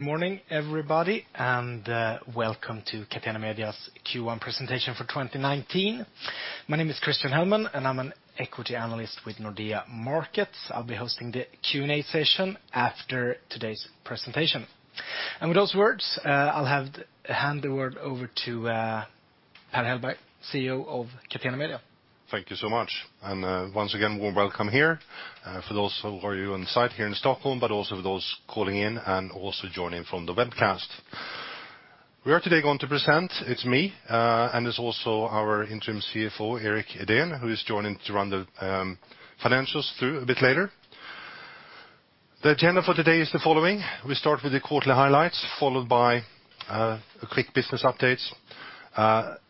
Morning everybody, welcome to Catena Media's Q1 presentation for 2019. My name is Christian Hellman, and I'm an Equity Analyst with Nordea Markets. I'll be hosting the Q&A session after today's presentation. With those words, I'll hand the word over to Per Hellberg, CEO of Catena Media. Thank you so much. Once again, warm welcome here for those who are here on site here in Stockholm, but also for those calling in and also joining from the webcast. We are today going to present, it's me, and it's also our Interim CFO, Erik Edén, who is joining to run the financials through a bit later. The agenda for today is the following. We start with the quarterly highlights, followed by a quick business update,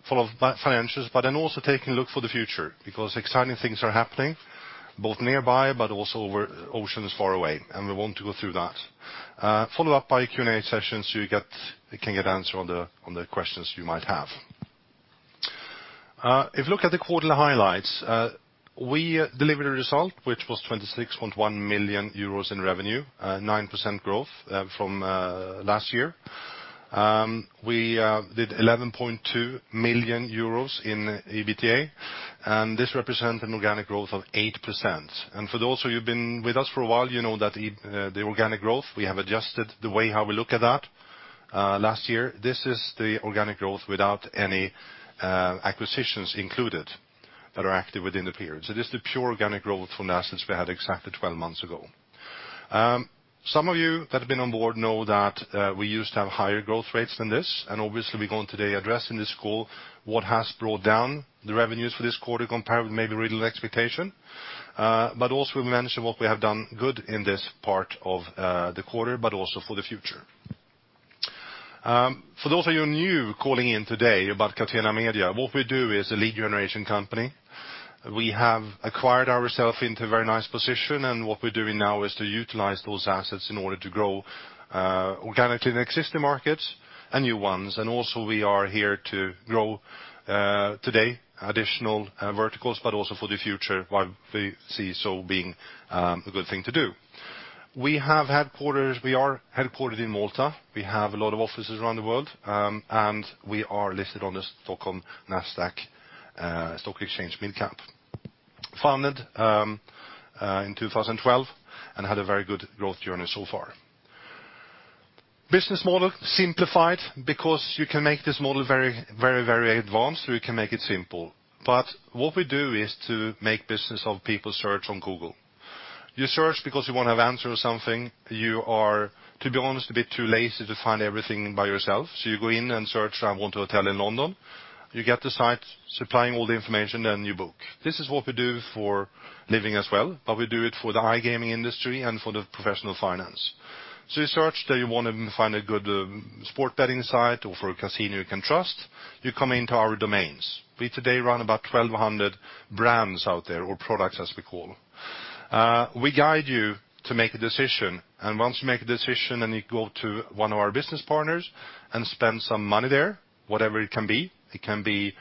followed by financials, but then also taking a look for the future because exciting things are happening both nearby but also oceans far away, and we want to go through that. Followed up by a Q&A session so you can get answer on the questions you might have. If you look at the quarterly highlights, we delivered a result which was 26.1 million euros in revenue, 9% growth from last year. We did 11.2 million euros in EBITDA, this represents an organic growth of 8%. For those of you who've been with us for a while, you know that the organic growth, we have adjusted the way how we look at that last year. This is the organic growth without any acquisitions included that are active within the period. This is the pure organic growth from assets we had exactly 12 months ago. Some of you that have been on board know that we used to have higher growth rates than this, obviously we're going to today address in this call what has brought down the revenues for this quarter compared with maybe real expectation. Also we mention what we have done good in this part of the quarter, but also for the future. For those of you new calling in today about Catena Media, what we do is a lead generation company. We have acquired ourself into a very nice position, what we're doing now is to utilize those assets in order to grow organically in existing markets and new ones. Also we are here to grow today additional verticals, but also for the future while we see so being a good thing to do. We are headquartered in Malta. We have a lot of offices around the world, we are listed on the Stockholm Nasdaq stock exchange Mid Cap. Founded in 2012 and had a very good growth journey so far. Business model simplified because you can make this model very advanced, or you can make it simple. What we do is to make business of people search on Google. You search because you want to have answer of something. You are, to be honest, a bit too lazy to find everything by yourself. You go in and search, I want a hotel in London. You get the site supplying all the information, you book. This is what we do for a living as well, but we do it for the iGaming industry and for the professional finance. You search that you want to find a good sport betting site or for a casino you can trust, you come into our domains. We today run about 1,200 brands out there or products as we call. We guide you to make a decision, once you make a decision and you go to one of our business partners and spend some money there, whatever it can be, it can be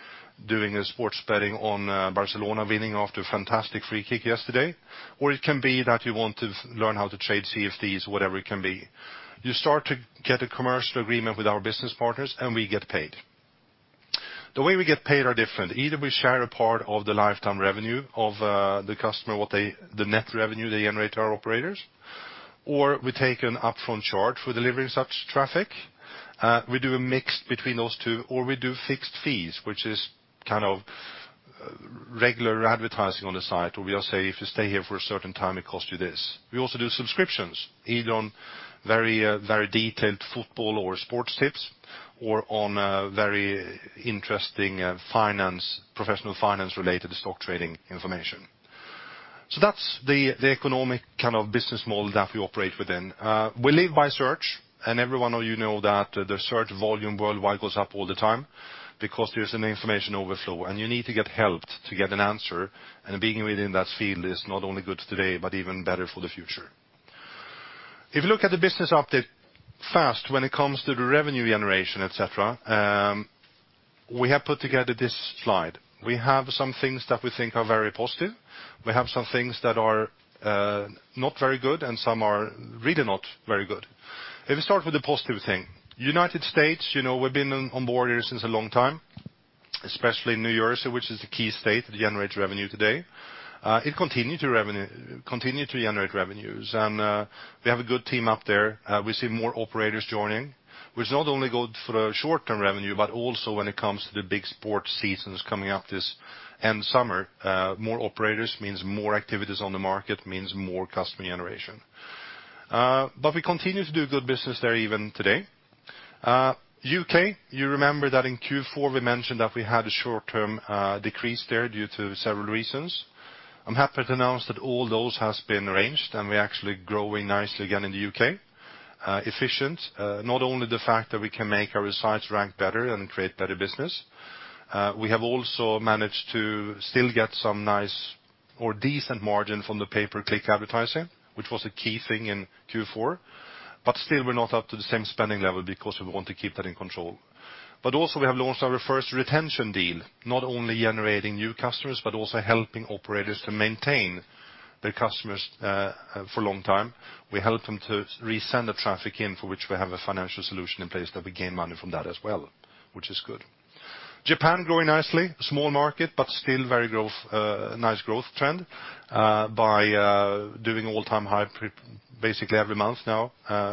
doing a sports betting on Barcelona winning after a fantastic free kick yesterday, or it can be that you want to learn how to trade CFDs, whatever it can be. You start to get a commercial agreement with our business partners, we get paid. The way we get paid are different. Either we share a part of the lifetime revenue of the customer, what the net revenue they generate to our operators, or we take an upfront charge for delivering such traffic. We do a mix between those two, we do fixed fees, which is kind of regular advertising on the site where we'll say, "If you stay here for a certain time, it costs you this." We also do subscriptions, either on very detailed football or sports tips or on very interesting professional finance-related stock trading information. That's the economic kind of business model that we operate within. We live by search, every one of you know that the search volume worldwide goes up all the time because there's an information overflow and you need to get helped to get an answer, and being within that field is not only good today, but even better for the future. If you look at the business update fast when it comes to the revenue generation, et cetera, we have put together this slide. We have some things that we think are very positive. We have some things that are not very good and some are really not very good. If we start with the positive thing. U.S., we've been on board here since a long time, especially New Jersey, which is the key state that generates revenue today. It continue to generate revenues, we have a good team up there. We see more operators joining, which is not only good for the short-term revenue, but also when it comes to the big sports seasons coming up this end of summer. More operators means more activities on the market, means more customer generation. We continue to do good business there even today. U.K., you remember that in Q4, we mentioned that we had a short-term decrease there due to several reasons. I'm happy to announce that all those have been arranged, and we're actually growing nicely again in the U.K. Efficient, not only the fact that we can make our sites rank better and create better business, we have also managed to still get some nice or decent margin from the pay-per-click advertising, which was a key thing in Q4, but still we're not up to the same spending level because we want to keep that in control. We have also launched our first retention deal, not only generating new customers, but also helping operators to maintain their customers for a long time. We help them to resend the traffic in for which we have a financial solution in place that we gain money from that as well, which is good. Japan is growing nicely. Small market, still very nice growth trend by doing all-time high basically every month now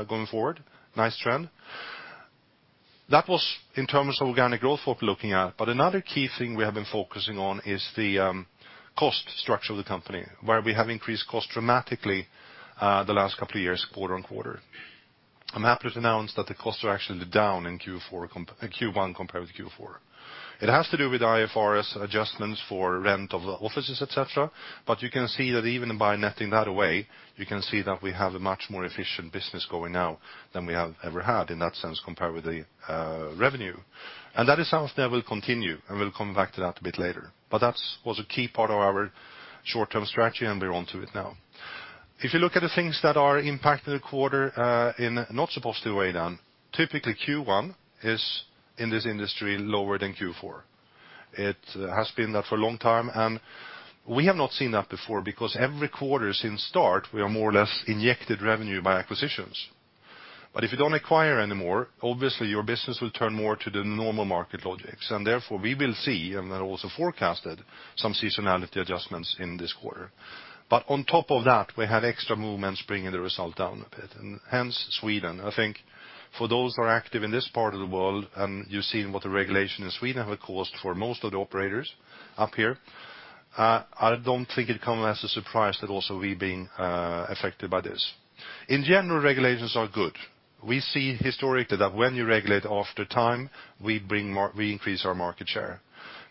going forward. Nice trend. That was in terms of organic growth what we're looking at. Another key thing we have been focusing on is the cost structure of the company, where we have increased costs dramatically the last couple of years, quarter-over-quarter. I'm happy to announce that the costs are actually down in Q1 compared with Q4. It has to do with IFRS adjustments for rent of offices, et cetera. You can see that even by netting that away, you can see that we have a much more efficient business going now than we have ever had in that sense compared with the revenue. That is something that will continue, and we'll come back to that a bit later. That was a key part of our short-term strategy, and we're on to it now. If you look at the things that are impacting the quarter and not supposed to weigh down, typically Q1 is, in this industry, lower than Q4. It has been that for a long time, and we have not seen that before because every quarter since start, we are more or less injected revenue by acquisitions. If you don't acquire anymore, obviously your business will turn more to the normal market logics, and therefore we will see, and then also forecasted, some seasonality adjustments in this quarter. On top of that, we had extra movements bringing the result down a bit, and hence, Sweden. I think for those who are active in this part of the world, and you've seen what the regulation in Sweden has caused for most of the operators up here, I don't think it comes as a surprise that also we're being affected by this. In general, regulations are good. We see historically that when you regulate after time, we increase our market share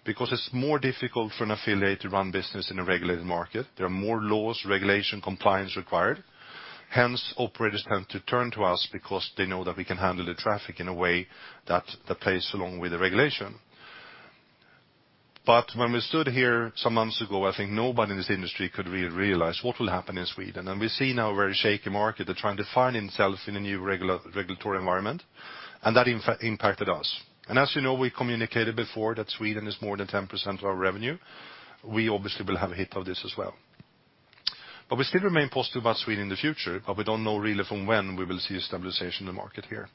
because it's more difficult for an affiliate to run business in a regulated market. There are more laws, regulation, and compliance required. Hence, operators tend to turn to us because they know that we can handle the traffic in a way that plays along with the regulation. When we stood here some months ago, I think nobody in this industry could really realize what will happen in Sweden. We see now a very shaky market. That impacted us. As you know, we communicated before that Sweden is more than 10% of our revenue. We obviously will have a hit of this as well. We still remain positive about Sweden in the future, but we don't know really from when we will see a stabilization in the market here.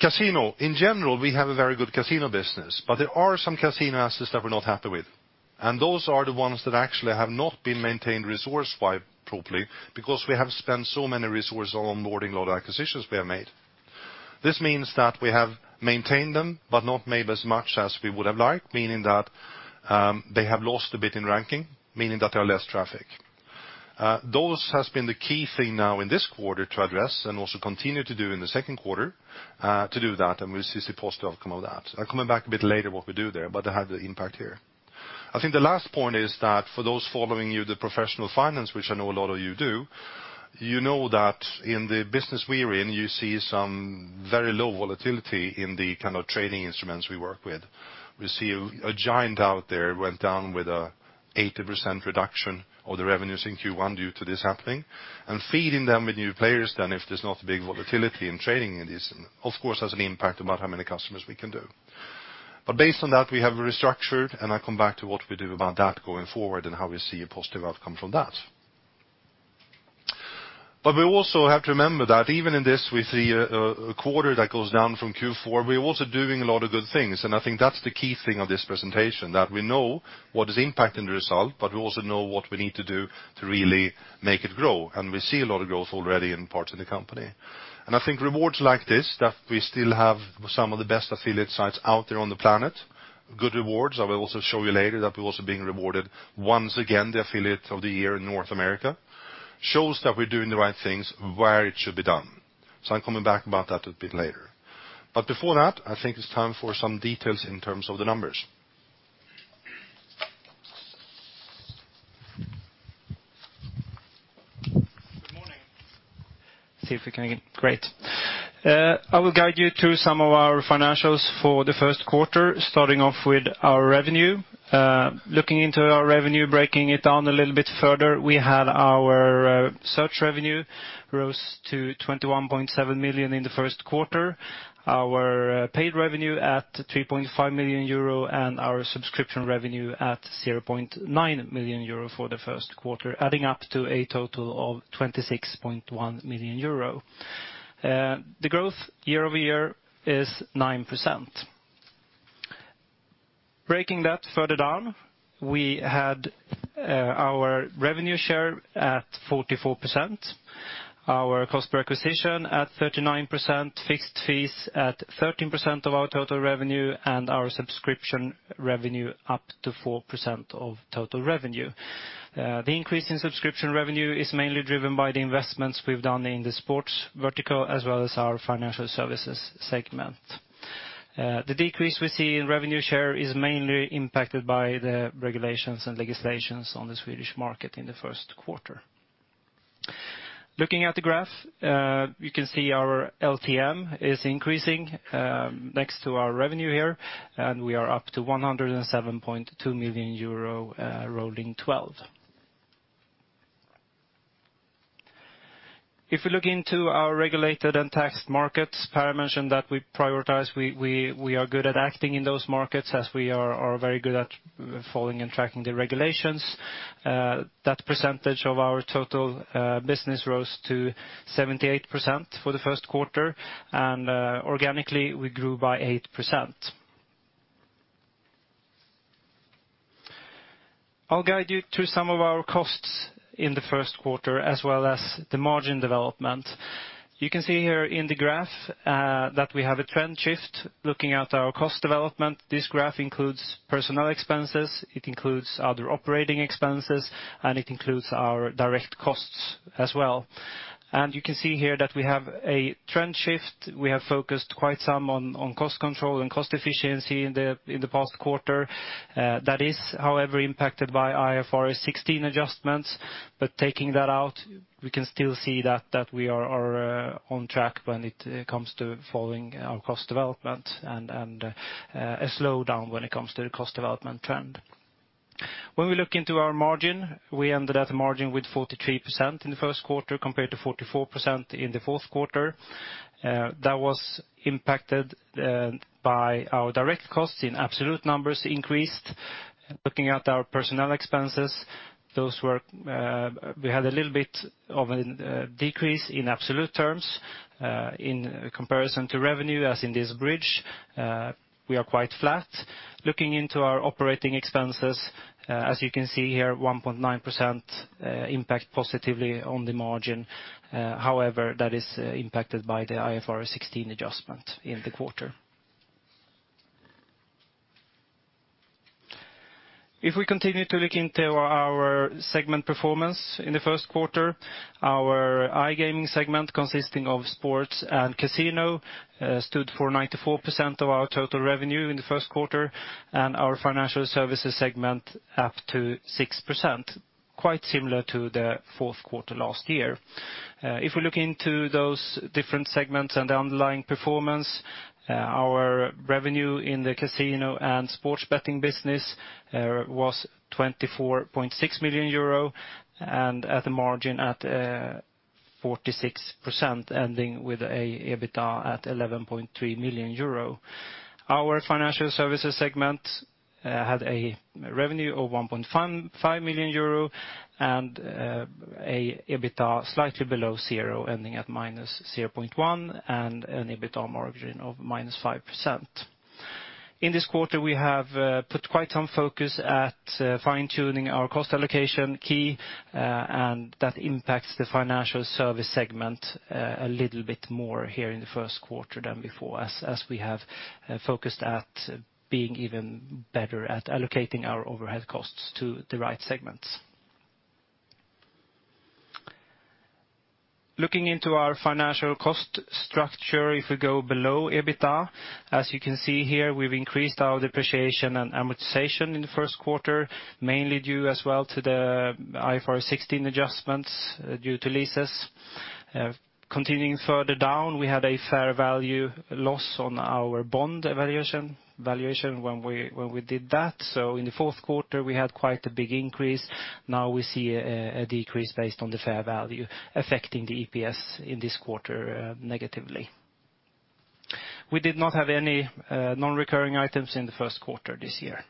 Casino, in general, we have a very good casino business, but there are some casino assets that we're not happy with, and those are the ones that actually have not been maintained resource-wide properly because we have spent so many resources on onboarding a lot of acquisitions we have made. This means that we have maintained them, but not maybe as much as we would have liked, meaning that they have lost a bit in ranking, meaning that there are less traffic. Those has been the key thing now in this quarter to address and also continue to do in the second quarter to do that, we see a positive outcome of that. I'm coming back a bit later what we do there, they had the impact here. I think the last point is that for those following the professional finance, which I know a lot of you do, you know that in the business we're in, you see some very low volatility in the kind of trading instruments we work with. We see a giant out there went down with a 80% reduction of the revenues in Q1 due to this happening. Feeding them with new players then if there's not big volatility in trading in this, of course, has an impact about how many customers we can do. Based on that, we have restructured, I come back to what we do about that going forward and how we see a positive outcome from that. We also have to remember that even in this, we see a quarter that goes down from Q4, we're also doing a lot of good things, I think that's the key thing of this presentation, that we know what is impacting the result, we also know what we need to do to really make it grow, we see a lot of growth already in parts of the company. I think rewards like this, that we still have some of the best affiliate sites out there on the planet, good rewards. I will also show you later that we're also being rewarded once again the Affiliate of the Year in North America, shows that we're doing the right things where it should be done. I'm coming back about that a bit later. Before that, I think it's time for some details in terms of the numbers. Good morning. Great. I will guide you through some of our financials for the first quarter, starting off with our revenue. Looking into our revenue, breaking it down a little bit further, we had our search revenue rose to 21.7 million in the first quarter, our paid revenue at 3.5 million euro, and our subscription revenue at 0.9 million euro for the first quarter, adding up to a total of 26.1 million euro. The growth year-over-year is 9%. Breaking that further down, we had our revenue share at 44%, our cost per acquisition at 39%, fixed fees at 13% of our total revenue, and our subscription revenue up to 4% of total revenue. The increase in subscription revenue is mainly driven by the investments we've done in the sports vertical, as well as our financial services segment. The decrease we see in revenue share is mainly impacted by the regulations and legislations on the Swedish market in the first quarter. Looking at the graph, you can see our LTM is increasing next to our revenue here, and we are up to 107.2 million euro rolling 12. If we look into our regulated and taxed markets, Per mentioned that we prioritize, we are good at acting in those markets as we are very good at following and tracking the regulations. That percentage of our total business rose to 78% for the first quarter, and organically, we grew by 8%. I'll guide you through some of our costs in the first quarter, as well as the margin development. You can see here in the graph that we have a trend shift looking at our cost development. This graph includes personnel expenses, it includes other operating expenses, and it includes our direct costs as well. You can see here that we have a trend shift. We have focused quite some on cost control and cost efficiency in the past quarter. That is, however, impacted by IFRS 16 adjustments. Taking that out, we can still see that we are on track when it comes to following our cost development and a slowdown when it comes to the cost development trend. When we look into our margin, we ended at a margin with 43% in the first quarter, compared to 44% in the fourth quarter. That was impacted by our direct costs in absolute numbers increased. Looking at our personnel expenses, we had a little bit of a decrease in absolute terms. In comparison to revenue, as in this bridge, we are quite flat. Looking into our operating expenses, as you can see here, 1.9% impact positively on the margin. However, that is impacted by the IFRS 16 adjustment in the quarter. If we continue to look into our segment performance in the first quarter, our iGaming segment, consisting of sports and casino, stood for 94% of our total revenue in the first quarter, and our financial services segment up to 6%, quite similar to the fourth quarter last year. If we look into those different segments and the underlying performance, our revenue in the casino and sports betting business was 24.6 million euro, and at the margin at 46%, ending with an EBITDA at 11.3 million euro. Our financial services segment had a revenue of 1.5 million euro and an EBITDA slightly below zero, ending at -0.1 million, and an EBITDA margin of -5%. In this quarter, we have put quite some focus at fine-tuning our cost allocation key, and that impacts the financial service segment a little bit more here in the first quarter than before, as we have focused at being even better at allocating our overhead costs to the right segments. Looking into our financial cost structure, if we go below EBITDA, as you can see here, we've increased our depreciation and amortization in the first quarter, mainly due as well to the IFRS 16 adjustments due to leases. Continuing further down, we had a fair value loss on our bond valuation when we did that. In the fourth quarter, we had quite a big increase. Now we see a decrease based on the fair value affecting the EPS in this quarter negatively. We did not have any non-recurring items in the first quarter this year.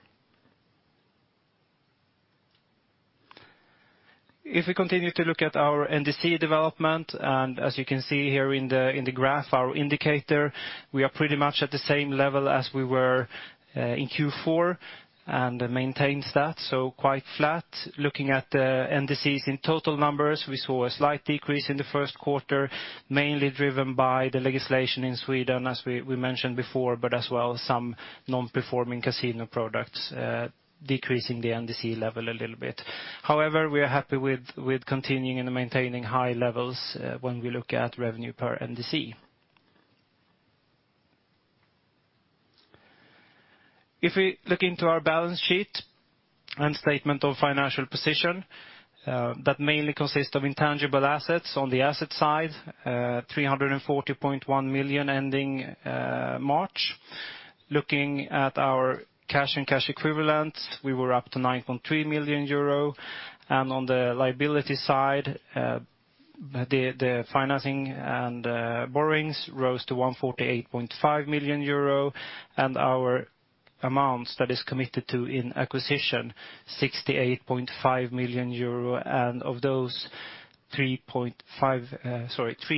If we continue to look at our NDC development, and as you can see here in the graph, our indicator, we are pretty much at the same level as we were in Q4 and maintains that, so quite flat. Looking at the NDCs in total numbers, we saw a slight decrease in the first quarter, mainly driven by the legislation in Sweden, as we mentioned before, but as well as some non-performing casino products decreasing the NDC level a little bit. However, we are happy with continuing and maintaining high levels when we look at revenue per NDC. If we look into our balance sheet and statement of financial position, that mainly consists of intangible assets on the asset side, 340.1 million ending March. Looking at our cash and cash equivalent, we were up to 9.3 million euro. On the liability side, the financing and borrowings rose to 148.5 million euro, and our amount that is committed to in acquisition, 68.5 million euro. Of those, 3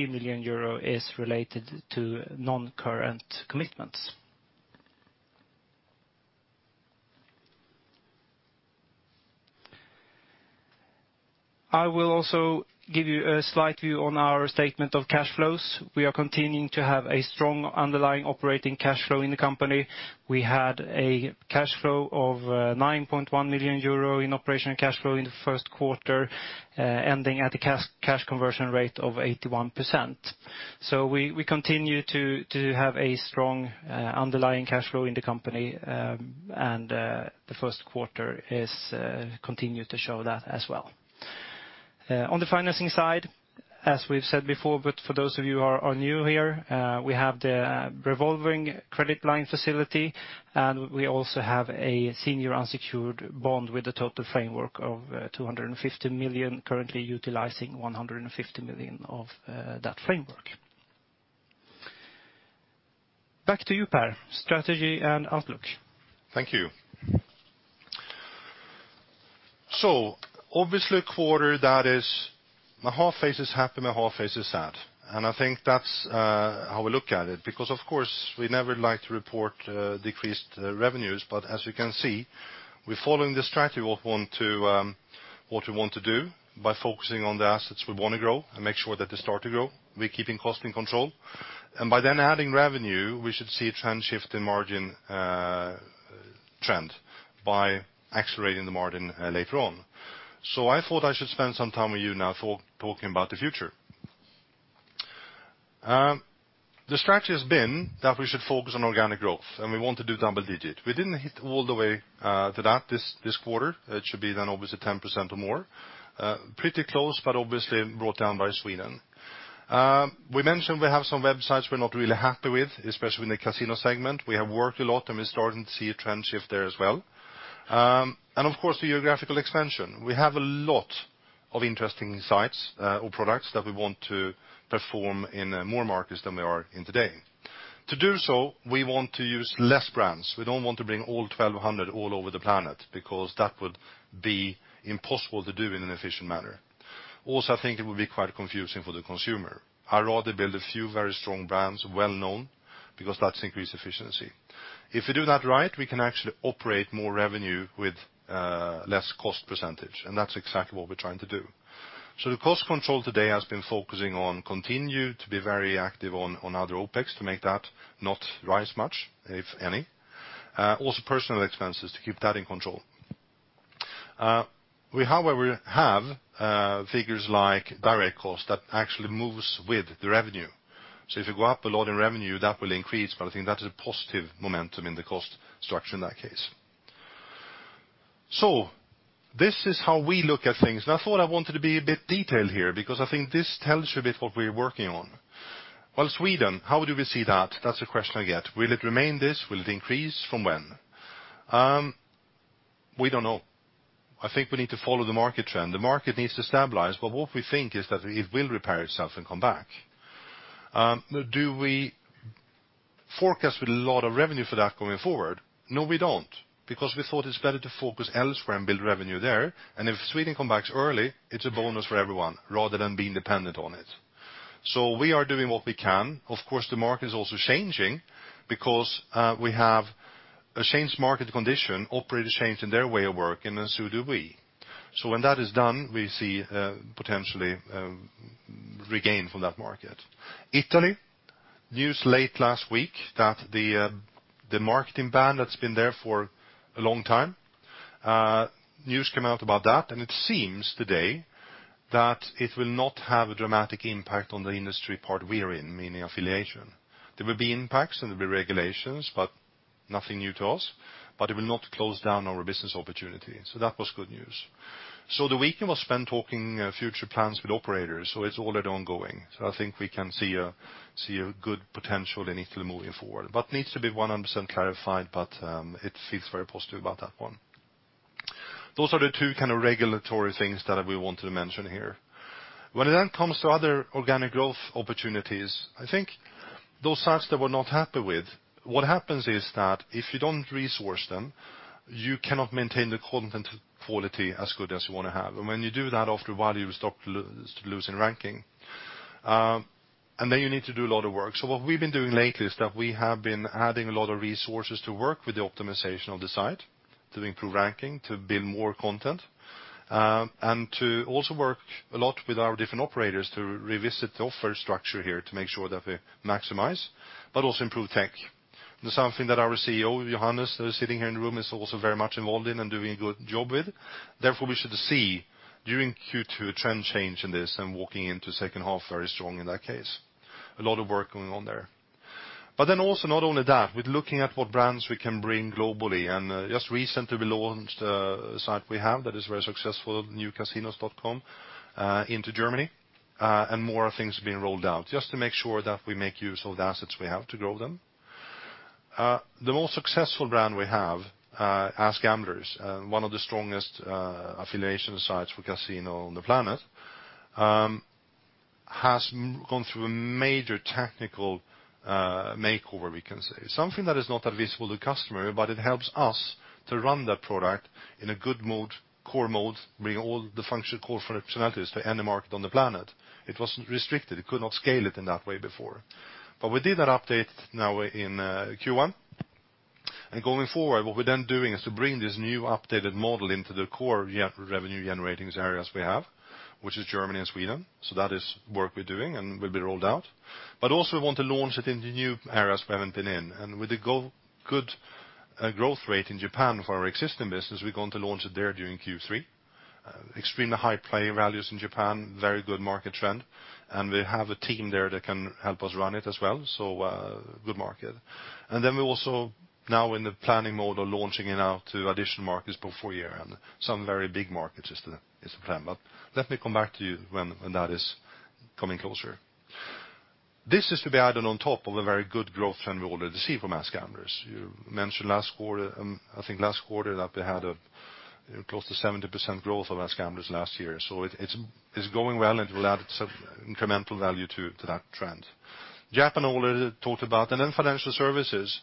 million euro is related to non-current commitments. I will also give you a slight view on our statement of cash flows. We are continuing to have a strong underlying operating cash flow in the company. We had a cash flow of 9.1 million euro in operational cash flow in the first quarter, ending at a cash conversion rate of 81%. We continue to have a strong underlying cash flow in the company, and the first quarter continued to show that as well. On the financing side, as we've said before, but for those of you who are new here, we have the revolving credit line facility, and we also have a senior unsecured bond with a total framework of 250 million, currently utilizing 150 million of that framework. Back to you, Per. Strategy and outlook. Thank you. My half face is happy, my half face is sad. I think that's how we look at it, because, of course, we never like to report decreased revenues. As you can see, we're following the strategy of what we want to do by focusing on the assets we want to grow and make sure that they start to grow. We're keeping cost in control, by then adding revenue, we should see a trend shift in margin trend by accelerating the margin later on. I thought I should spend some time with you now for talking about the future. The strategy has been that we should focus on organic growth, and we want to do double digits. We didn't hit all the way to that this quarter. It should be obviously 10% or more. Pretty close, obviously brought down by Sweden. We mentioned we have some websites we're not really happy with, especially in the casino segment. We have worked a lot, and we're starting to see a trend shift there as well. Of course, the geographical expansion. We have a lot of interesting sites or products that we want to perform in more markets than we are in today. To do so, we want to use less brands. We don't want to bring all 1,200 all over the planet because that would be impossible to do in an efficient manner. I think it would be quite confusing for the consumer. I'd rather build a few very strong brands, well-known, because that increases efficiency. If we do that right, we can actually operate more revenue with less cost percentage, that's exactly what we're trying to do. The cost control today has been focusing on continuing to be very active on other OPEX to make that not rise much, if any. Personal expenses, to keep that in control. We, however, have figures like direct cost that actually moves with the revenue. If you go up a lot in revenue, that will increase, I think that is a positive momentum in the cost structure in that case. This is how we look at things. I thought I wanted to be a bit detailed here because I think this tells you a bit what we're working on. Sweden, how do we see that? That's the question I get. Will it remain this? Will it increase? From when? We don't know. I think we need to follow the market trend. The market needs to stabilize, what we think is that it will repair itself and come back. Do we forecast with a lot of revenue for that going forward? No, we don't, because we thought it's better to focus elsewhere and build revenue there, and if Sweden comes back early, it's a bonus for everyone rather than being dependent on it. We are doing what we can. Of course, the market is also changing because we have a changed market condition. Operators changed in their way of working, so do we. When that is done, we see potentially regain from that market. Italy, news late last week that the marketing ban that's been there for a long time, news came out about that, it seems today that it will not have a dramatic impact on the industry part we are in, meaning affiliation. There will be impacts and there'll be regulations, but nothing new to us. It will not close down our business opportunity. That was good news. The weekend was spent talking future plans with operators. It's already ongoing. I think we can see a good potential in Italy moving forward, but needs to be 100% clarified, but it feels very positive about that one. Those are the two kind of regulatory things that we wanted to mention here. When it comes to other organic growth opportunities, I think those sites that we're not happy with, what happens is that if you don't resource them, you cannot maintain the content quality as good as you want to have. When you do that, after a while, you start losing ranking. You need to do a lot of work. What we've been doing lately is that we have been adding a lot of resources to work with the optimization of the site to improve ranking, to build more content, and to also work a lot with our different operators to revisit the offer structure here to make sure that we maximize, but also improve tech. That's something that our CEO, Johannes, that is sitting here in the room, is also very much involved in and doing a good job with. Therefore, we should see during Q2 a trend change in this and walking into second half very strong in that case. A lot of work going on there. Also not only that, we're looking at what brands we can bring globally, and just recently we launched a site we have that is very successful, NewCasinos.com, into Germany, and more things are being rolled out just to make sure that we make use of the assets we have to grow them. The most successful brand we have, AskGamblers, one of the strongest affiliation sites for casino on the planet, has gone through a major technical makeover, we can say. Something that is not visible to customer, but it helps us to run that product in a good mode, core mode, bring all the function core functionalities to any market on the planet. It was restricted. It could not scale it in that way before. We did that update now in Q1. Going forward, what we're then doing is to bring this new updated model into the core revenue-generating areas we have, which is Germany and Sweden. That is work we're doing and will be rolled out. Also we want to launch it in the new areas we haven't been in. With the good growth rate in Japan for our existing business, we're going to launch it there during Q3. Extremely high play values in Japan, very good market trend, and we have a team there that can help us run it as well. Good market. We're also now in the planning mode of launching it out to additional markets before year-end. Some very big markets is the plan. Let me come back to you when that is coming closer. This is to be added on top of the very good growth trend we already see from AskGamblers. You mentioned I think last quarter that we had close to 70% growth of AskGamblers last year. It's going well, and it will add some incremental value to that trend. Japan already talked about. Financial services.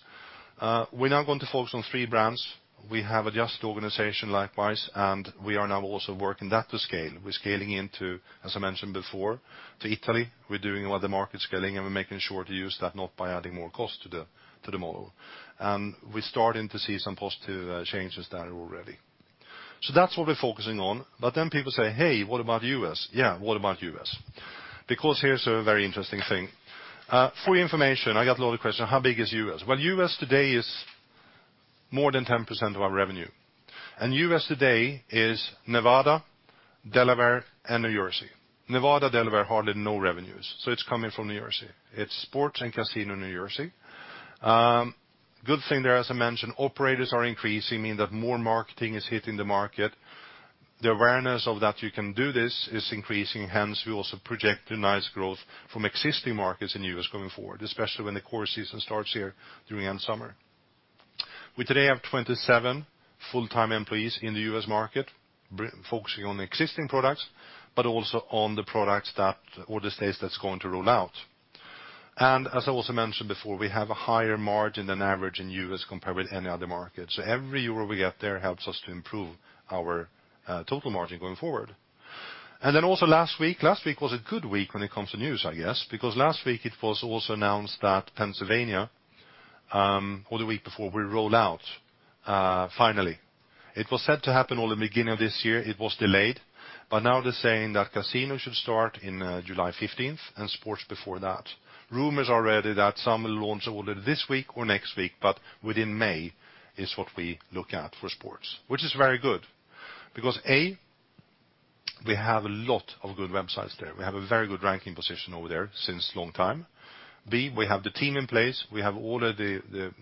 We're now going to focus on three brands. We have adjusted the organization likewise, and we are now also working that to scale. We're scaling into, as I mentioned before, to Italy. We're doing other market scaling, and we're making sure to use that, not by adding more cost to the model. We're starting to see some positive changes there already. That's what we're focusing on. People say, "Hey, what about U.S.?" Yeah, what about U.S.? Here's a very interesting thing. For your information, I got a lot of questions, how big is U.S.? U.S. today is more than 10% of our revenue. U.S. today is Nevada, Delaware, and New Jersey. Nevada, Delaware, hardly no revenues. It's coming from New Jersey. It's sports and casino, New Jersey. Good thing there, as I mentioned, operators are increasing, meaning that more marketing is hitting the market. The awareness of that you can do this is increasing. Hence, we also project a nice growth from existing markets in U.S. going forward, especially when the core season starts here during end summer. We today have 27 full-time employees in the U.S. market focusing on existing products, but also on the products that all the states that's going to roll out. As I also mentioned before, we have a higher margin than average in U.S. compared with any other market. Every EUR we get there helps us to improve our total margin going forward. Also last week, last week was a good week when it comes to news, I guess, because last week it was also announced that Pennsylvania, or the week before, will roll out finally. It was set to happen on the beginning of this year. It was delayed, but now they're saying that casinos should start in July 15th and sports before that. Rumors already that some will launch already this week or next week, but within May is what we look at for sports, which is very good because, A, we have a lot of good websites there. We have a very good ranking position over there since long time. B, we have the team in place. We have all the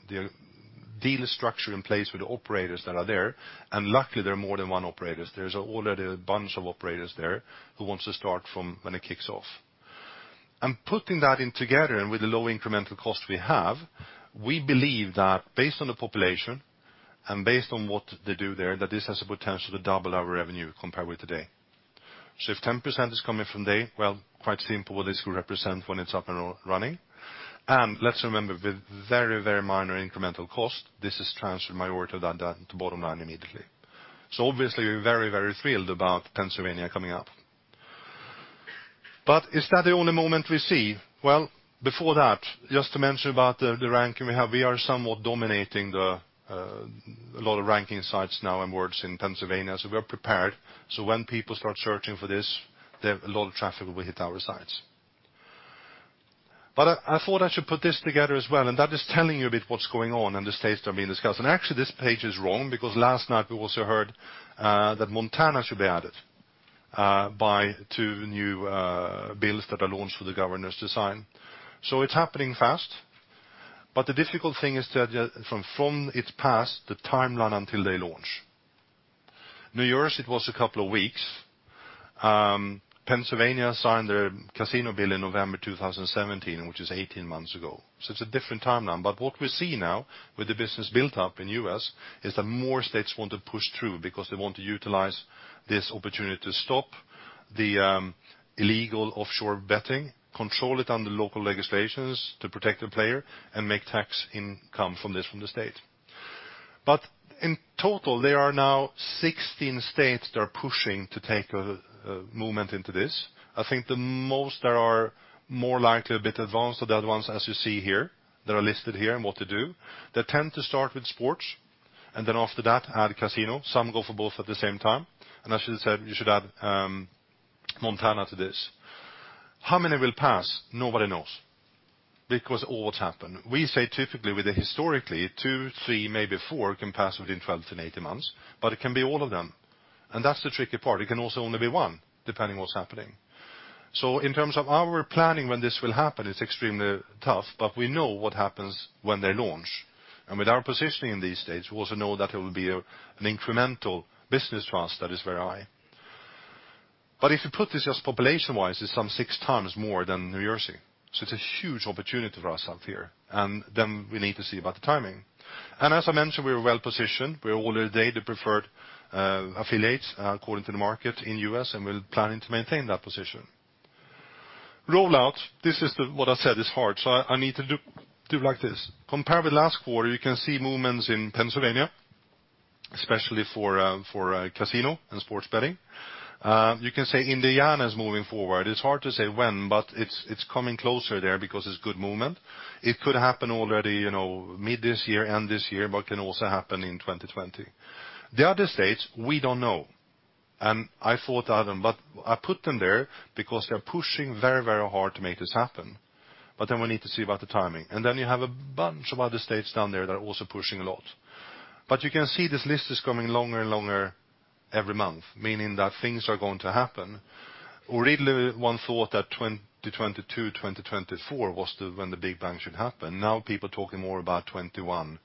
dealer structure in place with the operators that are there. Luckily, there are more than one operators. There's already a bunch of operators there who wants to start from when it kicks off. Putting that in together and with the low incremental cost we have, we believe that based on the population and based on what they do there, that this has the potential to double our revenue compared with today. If 10% is coming from there, well, quite simple what this will represent when it's up and running. Let's remember, with very minor incremental cost, this is transferred majority of that to bottom line immediately. Obviously, we're very thrilled about Pennsylvania coming up. Is that the only movement we see? Well, before that, just to mention about the ranking we have, we are somewhat dominating a lot of ranking sites now and words in Pennsylvania. We are prepared. When people start searching for this, a lot of traffic will hit our sites. I thought I should put this together as well, and that is telling you a bit what is going on and the states that are being discussed. Actually, this page is wrong because last night we also heard that Montana should be added by two new bills that are launched for the governor's design. It's happening fast. The difficult thing is that from its pass, the timeline until they launch. New Jersey, it was a couple of weeks. Pennsylvania signed their casino bill in November 2017, which is 18 months ago. It's a different timeline. What we see now with the business built up in U.S. is that more states want to push through because they want to utilize this opportunity to stop the illegal offshore betting, control it under local legislations to protect the player, and make tax income from this from the state. In total, there are now 16 states that are pushing to take a movement into this. I think the most there are more likely a bit advanced than the other ones, as you see here, that are listed here and what to do. They tend to start with sports, and then after that, add casino. Some go for both at the same time. I should have said, you should add Montana to this. How many will pass? Nobody knows. All happen. We say typically with historically, two, three, maybe four can pass within 12 to 18 months, but it can be all of them. That's the tricky part. It can also only be one, depending what's happening. In terms of our planning when this will happen, it's extremely tough, but we know what happens when they launch. With our positioning in these states, we also know that it will be an incremental business for us that is very high. If you put this just population-wise, it's some six times more than New Jersey. It's a huge opportunity for us out there. Then we need to see about the timing. As I mentioned, we're well-positioned. We're already the preferred affiliate according to the market in U.S., and we're planning to maintain that position. Rollout, this is what I said is hard. I need to do like this. Compare with last quarter, you can see movements in Pennsylvania, especially for casino and sports betting. You can say Indiana is moving forward. It's hard to say when, but it's coming closer there because it's good movement. It could happen already mid this year, end this year, but can also happen in 2020. The other states, we don't know. I thought of them, but I put them there because they're pushing very hard to make this happen. Then we need to see about the timing. Then you have a bunch of other states down there that are also pushing a lot. You can see this list is coming longer and longer every month, meaning that things are going to happen. Originally, one thought that 2022, 2024 was when the big bang should happen. People talking more about 2021,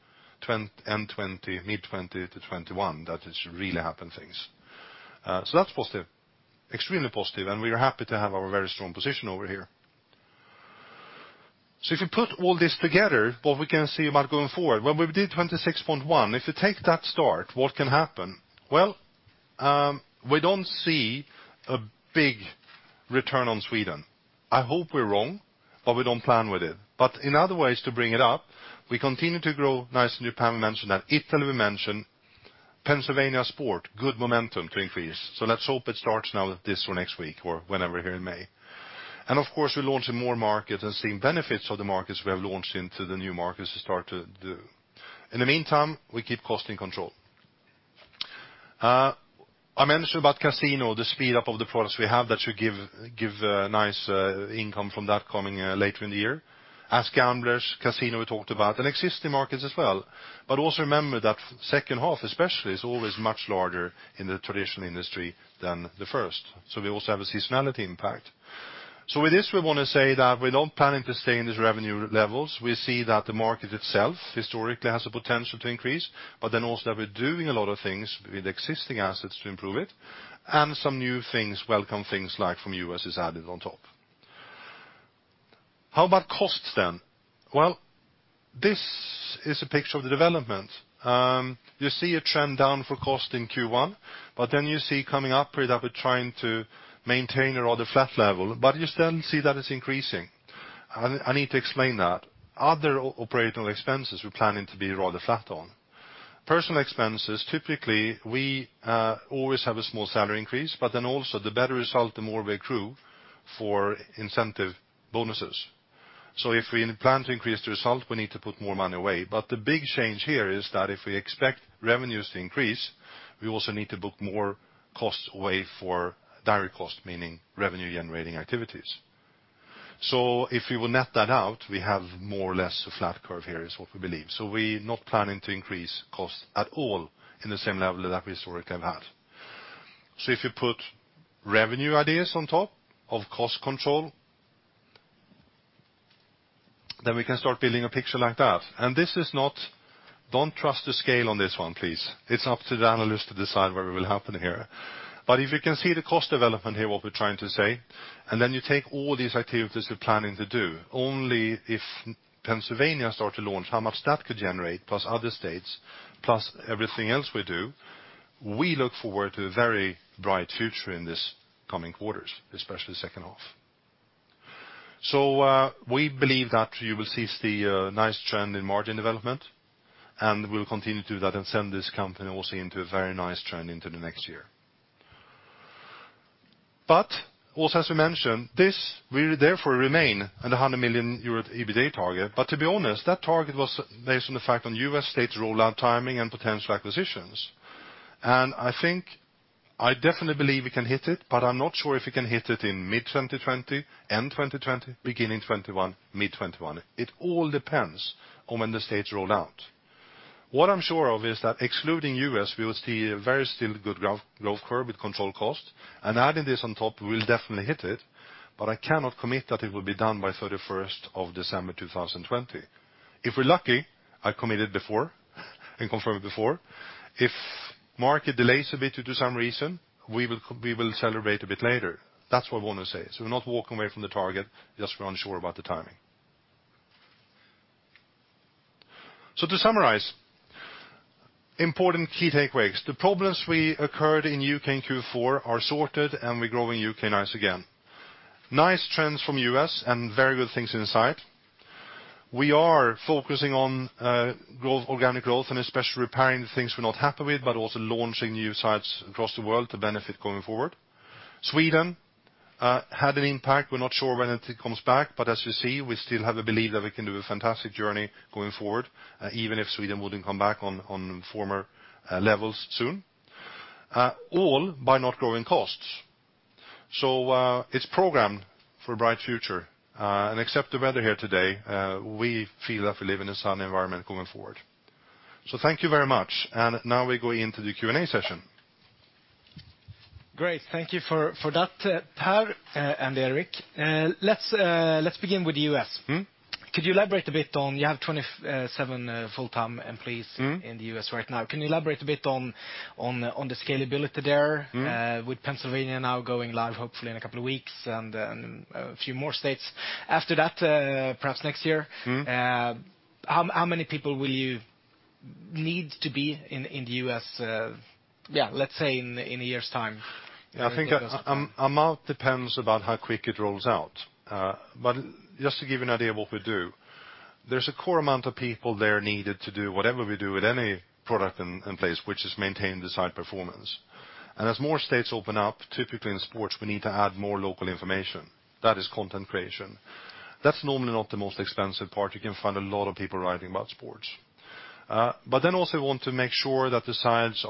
end 2020, mid 2020 to 2021, that it should really happen things. That is positive, extremely positive, and we are happy to have our very strong position over here. If you put all this together, what we can see about going forward, when we did 26.1, if you take that start, what can happen? We don't see a big return on Sweden. I hope we are wrong, but we don't plan with it. In other ways to bring it up, we continue to grow nice in Japan, we mentioned that. Italy, we mentioned. Pennsylvania sport, good momentum to increase. Let's hope it starts now this or next week or whenever here in May. Of course, we are launching more markets and seeing benefits of the markets we have launched into the new markets to start to do. In the meantime, we keep cost control. I mentioned about casino, the speed up of the products we have that should give nice income from that coming later in the year. AskGamblers, casino we talked about, and existing markets as well. Also remember that second half especially is always much larger in the traditional industry than the first. We also have a seasonality impact. With this, we want to say that we are not planning to stay in these revenue levels. We see that the market itself historically has the potential to increase, that we are doing a lot of things with existing assets to improve it, and some new things, welcome things like from U.S. is added on top. How about costs then? This is a picture of the development. You see a trend down for cost in Q1, you see coming up with that we are trying to maintain a rather flat level, you still see that it is increasing. I need to explain that. Other operational expenses, we are planning to be rather flat on. Personal expenses, typically, we always have a small salary increase, also the better result, the more we accrue for incentive bonuses. If we plan to increase the result, we need to put more money away. The big change here is that if we expect revenues to increase, we also need to book more costs away for direct cost, meaning revenue-generating activities. If we will net that out, we have more or less a flat curve here is what we believe. We are not planning to increase costs at all in the same level that we historically have had. If you put revenue ideas on top of cost control, we can start building a picture like that. Don't trust the scale on this one, please. It is up to the analyst to decide where we will happen here. If you can see the cost development here, what we are trying to say, you take all these activities we are planning to do, only if Pennsylvania start to launch, how much that could generate, plus other states, plus everything else we do, we look forward to a very bright future in this coming quarters, especially second half. We believe that you will see a nice trend in margin development, and we will continue to do that and send this company also into a very nice trend into the next year. Also, as we mentioned, this will therefore remain at 100 million euro EBITDA target. To be honest, that target was based on the fact on U.S. states rollout timing and potential acquisitions. I think I definitely believe we can hit it, but I'm not sure if we can hit it in mid-2020, end 2020, beginning 2021, mid 2021. It all depends on when the states roll out. What I'm sure of is that excluding U.S., we will see a very still good growth curve with controlled cost. Adding this on top, we'll definitely hit it, but I cannot commit that it will be done by 31st of December 2020. If we're lucky, I committed before and confirmed before, if market delays a bit due to some reason, we will celebrate a bit later. That's what I want to say. We're not walking away from the target, just we're unsure about the timing. To summarize, important key takeaways. The problems we occurred in U.K. in Q4 are sorted and we're growing U.K. nice again. Nice trends from U.S. and very good things in insight. We are focusing on organic growth and especially repairing the things we're not happy with, but also launching new sites across the world to benefit going forward. Sweden had an impact. We're not sure when it comes back, but as you see, we still have a belief that we can do a fantastic journey going forward, even if Sweden wouldn't come back on former levels soon. All by not growing costs. It's programmed for a bright future. Except the weather here today, we feel that we live in a sun environment going forward. Thank you very much. Now we go into the Q&A session. Great. Thank you for that, Per and Erik. Let's begin with U.S. Could you elaborate a bit on, you have 27 full-time employees- in the U.S. right now. Can you elaborate a bit on the scalability there? With Pennsylvania now going live, hopefully in a couple of weeks, and then a few more states after that, perhaps next year. How many people will you need to be in the U.S., let's say in a year's time? I think amount depends about how quick it rolls out. Just to give you an idea of what we do, there's a core amount of people there needed to do whatever we do with any product in place, which is maintain the site performance. As more states open up, typically in sports, we need to add more local information. That is content creation. That's normally not the most expensive part. You can find a lot of people writing about sports. Also we want to make sure that the sites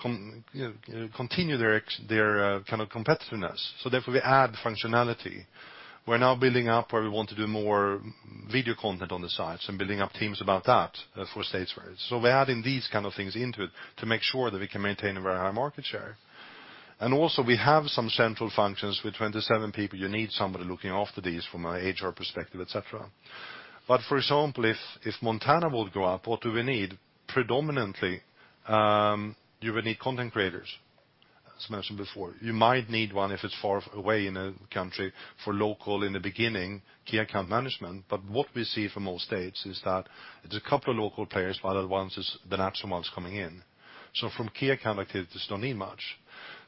continue their kind of competitiveness. Therefore, we add functionality. We're now building up where we want to do more video content on the sites and building up teams about that for states where. We're adding these kind of things into it to make sure that we can maintain a very high market share. Also we have some central functions. With 27 people, you need somebody looking after these from an HR perspective, et cetera. For example, if Montana will go up, what do we need predominantly? You will need content creators. As mentioned before, you might need one if it's far away in a country for local, in the beginning, key account management. What we see from all states is that there's a couple of local players, while the national ones coming in. From key account activities, don't need much.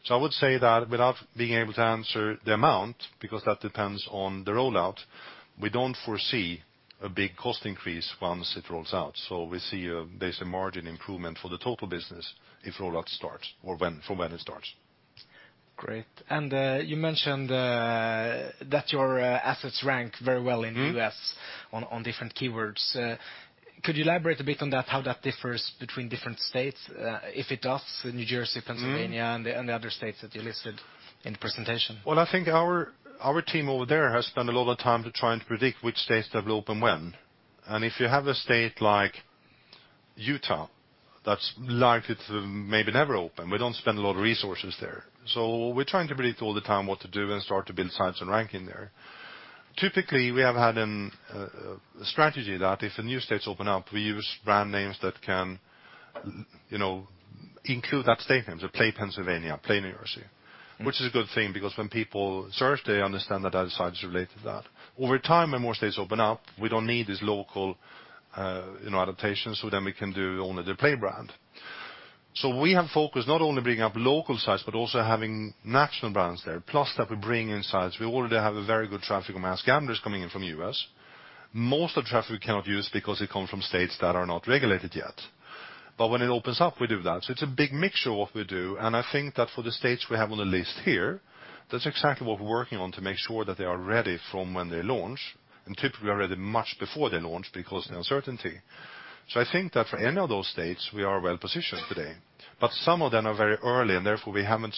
I would say that without being able to answer the amount, because that depends on the rollout, we don't foresee a big cost increase once it rolls out. We see a basic margin improvement for the total business if rollout starts or from when it starts. Great. You mentioned that your assets rank very well in the U.S. on different keywords. Could you elaborate a bit on that, how that differs between different states, if it does in New Jersey, Pennsylvania, and the other states that you listed in the presentation? I think our team over there has spent a lot of time trying to predict which states they will open when. If you have a state like Utah that's likely to maybe never open, we don't spend a lot of resources there. We're trying to predict all the time what to do and start to build sites and ranking there. Typically, we have had a strategy that if the new states open up, we use brand names that can include that state name, PlayPennsylvania, PlayNJ. Which is a good thing, because when people search, they understand that that site is related to that. Over time, when more states open up, we don't need these local adaptations, then we can do only the Play brand. We have focused not only bringing up local sites, but also having national brands there. Plus that we're bringing in sites, we already have a very good traffic of mass gamblers coming in from the U.S. Most of the traffic we cannot use because it comes from states that are not regulated yet. When it opens up, we do that. It's a big mixture of what we do, I think that for the states we have on the list here, that's exactly what we're working on to make sure that they are ready from when they launch. Typically, we are ready much before they launch because of the uncertainty. I think that for any of those states, we are well-positioned today. Some of them are very early, and therefore, we haven't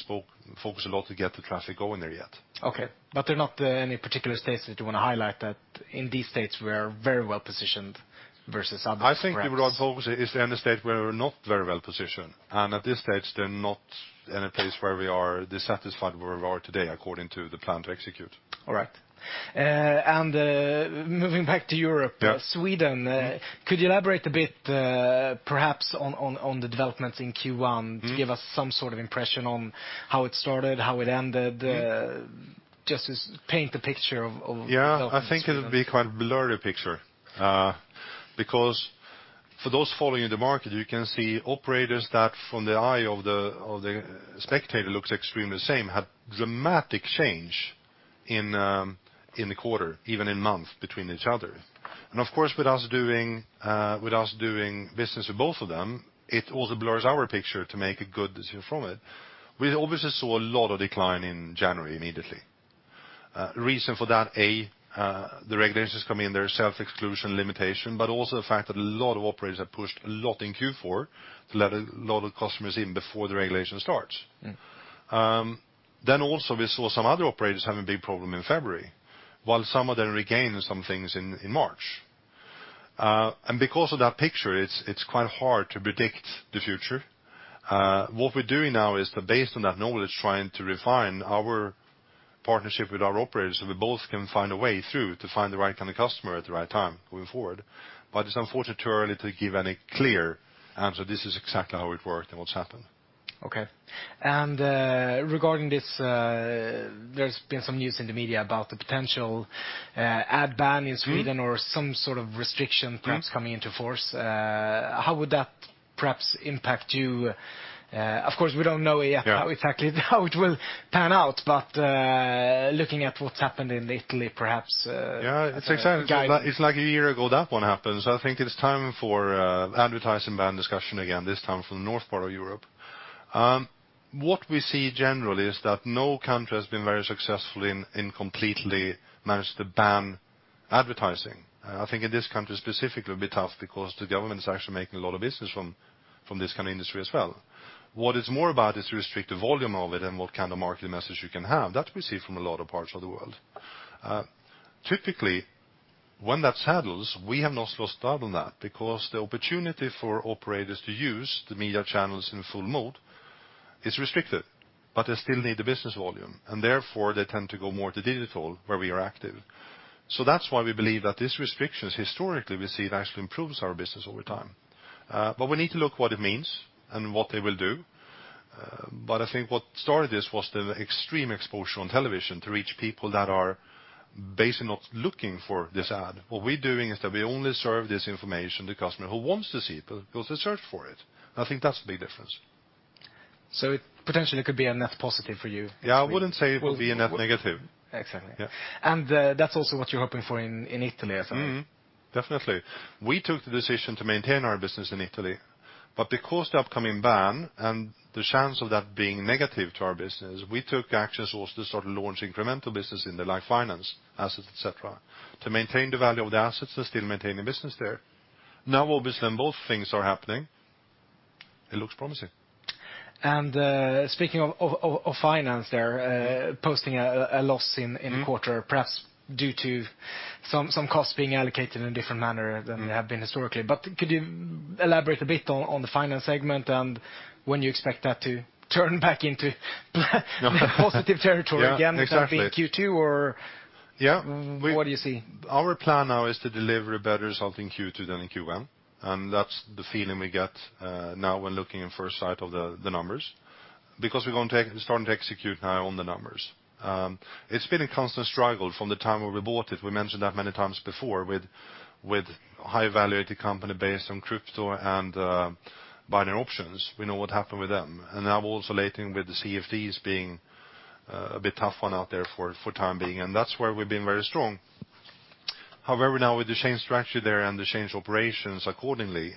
focused a lot to get the traffic going there yet. Okay. There are not any particular states that you want to highlight that in these states we are very well-positioned versus others, perhaps? I think where our focus is in the state where we're not very well-positioned, and at this stage, they're not any place where we are dissatisfied where we are today according to the plan to execute. All right. Moving back to Europe. Yeah. Sweden. Could you elaborate a bit perhaps on the developments in Q1 to give us some sort of impression on how it started, how it ended, just paint the picture of the development in Sweden. I think it'll be quite a blurry picture. For those following the market, you can see operators that from the eye of the spectator looks extremely the same, had dramatic change in the quarter, even in months between each other. Of course, with us doing business with both of them, it also blurs our picture to make a good decision from it. We obviously saw a lot of decline in January immediately. Reason for that, A, the regulations come in, there are self-exclusion limitation, but also the fact that a lot of operators have pushed a lot in Q4 to let a lot of customers in before the regulation starts. Also we saw some other operators having big problem in February, while some of them regained some things in March. Because of that picture, it's quite hard to predict the future. What we're doing now is to, based on that knowledge, trying to refine our partnership with our operators, so we both can find a way through to find the right kind of customer at the right time moving forward. It's unfortunately too early to give any clear answer, this is exactly how it worked and what's happened. Okay. Regarding this, there's been some news in the media about the potential ad ban in Sweden or some sort of restriction perhaps coming into force. How would that perhaps impact you? Of course, we don't know yet how exactly how it will pan out, but looking at what's happened in Italy, perhaps as a guide. Yeah, it's like a year ago that one happened, I think it is time for advertising ban discussion again, this time from the north part of Europe. What we see generally is that no country has been very successful in completely manage to ban advertising. I think in this country specifically it'll be tough because the government is actually making a lot of business from this kind of industry as well. What it's more about is to restrict the volume of it and what kind of marketing message you can have. That we see from a lot of parts of the world. Typically, when that happens, we have not lost out on that because the opportunity for operators to use the media channels in full mode is restricted, but they still need the business volume, therefore they tend to go more to digital, where we are active. That's why we believe that this restrictions historically we see it actually improves our business over time. We need to look what it means and what they will do. I think what started this was the extreme exposure on television to reach people that are basically not looking for this ad. We're doing is that we only serve this information to customer who wants to see it, because they search for it. I think that's the big difference. Potentially it could be a net positive for you in Sweden. Yeah, I wouldn't say it will be a net negative. Exactly. Yeah. That's also what you're hoping for in Italy, I suppose. Definitely. We took the decision to maintain our business in Italy, because the upcoming ban and the chance of that being negative to our business, we took actions also to sort of launch incremental business in the like finance assets, etc., to maintain the value of the assets and still maintain a business there. Obviously, when both things are happening, it looks promising. Speaking of finance there, posting a loss in the quarter, perhaps due to some costs being allocated in a different manner than they have been historically. Could you elaborate a bit on the finance segment and when you expect that to turn back into positive territory again? Exactly. Is that in Q2 or Yeah. What do you see? Our plan now is to deliver a better result in Q2 than in Q1, that's the feeling we get now when looking in first sight of the numbers, because we're going to start to execute now on the numbers. It's been a constant struggle from the time when we bought it. We mentioned that many times before with high-valued company based on crypto and binary options. We know what happened with them. Now we're also dealing with the CFDs being a bit tough one out there for time being, and that's where we've been very strong. However, now with the change strategy there and the change operations accordingly,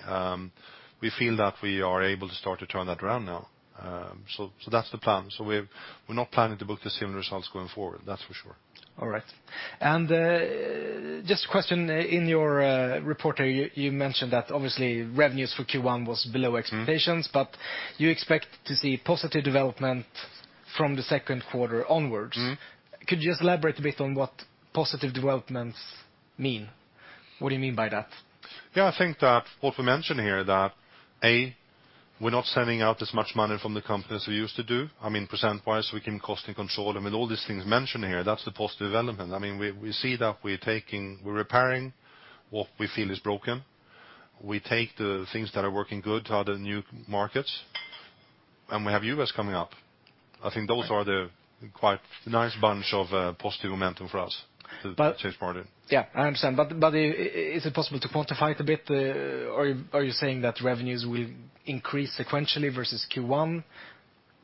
we feel that we are able to start to turn that around now. That's the plan. We're not planning to book the same results going forward, that's for sure. All right. Just a question, in your report you mentioned that obviously revenues for Q1 was below expectations, but you expect to see positive development from the second quarter onwards. Could you just elaborate a bit on what positive developments mean? What do you mean by that? I think that what we mentioned here that, A, we're not sending out as much money from the company as we used to do. Percent-wise, we came cost and control and with all these things mentioned here, that's the positive development. We see that we're repairing what we feel is broken. We take the things that are working good to other new markets, and we have U.S. coming up. I think those are the quite nice bunch of positive momentum for us to change part of it. I understand. Is it possible to quantify it a bit? Are you saying that revenues will increase sequentially versus Q1,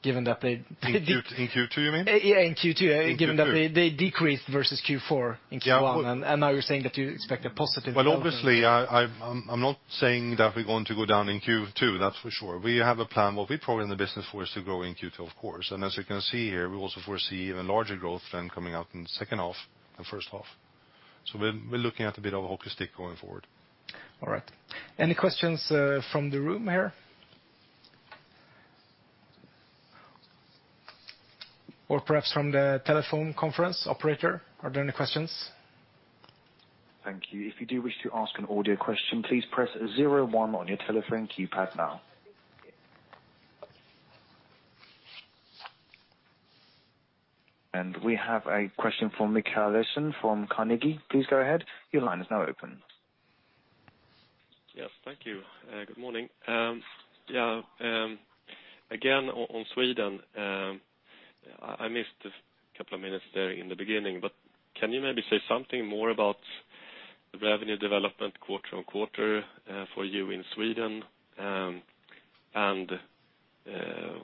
given that they- In Q2, you mean? In Q2- In Q2. Given that they decreased versus Q4 in Q1, now you're saying that you expect a positive development. Well, obviously, I'm not saying that we're going to go down in Q2, that's for sure. We have a plan what we probably in the business for is to grow in Q2, of course. As you can see here, we also foresee even larger growth then coming out in the second half than first half. We're looking at a bit of a hockey stick going forward. All right. Any questions from the room here? Perhaps from the telephone conference operator, are there any questions? Thank you. If you do wish to ask an audio question, please press 01 on your telephone keypad now. We have a question from Mikael Esson from Carnegie. Please go ahead. Your line is now open. Yes, thank you. Good morning. Again, on Sweden. I missed a couple of minutes there in the beginning, but can you maybe say something more about the revenue development quarter-over-quarter for you in Sweden, and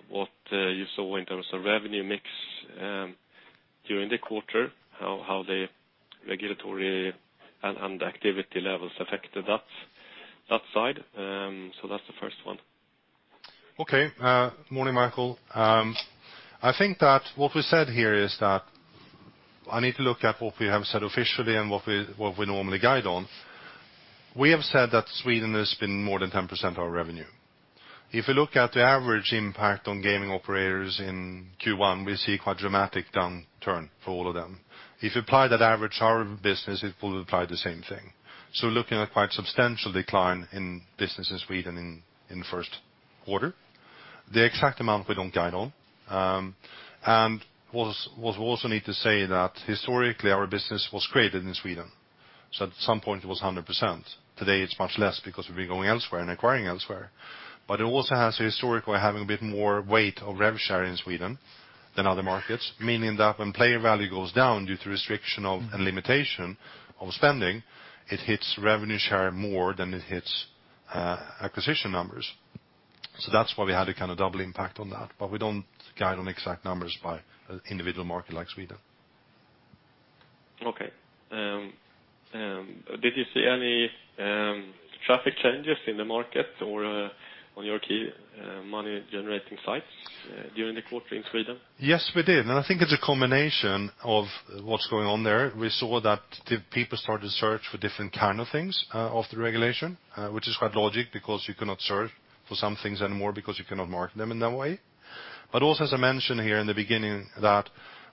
what you saw in terms of revenue mix during the quarter? How the regulatory and activity levels affected that side? That's the first one. Okay. Morning, Mikael. I think that what we said here is that I need to look at what we have said officially and what we normally guide on. We have said that Sweden has been more than 10% of our revenue. If you look at the average impact on gaming operators in Q1, we see quite dramatic downturn for all of them. If you apply that average to our business, it will apply the same thing. Looking at quite substantial decline in business in Sweden in first quarter. The exact amount we don't guide on. What we also need to say that historically our business was created in Sweden. At some point it was 100%. Today it's much less because we've been going elsewhere and acquiring elsewhere. It also has historically having a bit more weight of revenue share in Sweden than other markets, meaning that when player value goes down due to restriction of and limitation of spending, it hits revenue share more than it hits acquisition numbers. That's why we had a kind of double impact on that, but we don't guide on exact numbers by individual market like Sweden. Okay. Did you see any traffic changes in the market or on your key money-generating sites during the quarter in Sweden? Yes, we did. I think it's a combination of what's going on there. We saw that people started to search for different kind of things after regulation, which is quite logic because you cannot search for some things anymore because you cannot market them in that way. Also, as I mentioned here in the beginning, that